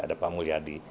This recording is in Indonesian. ada pak mulyadi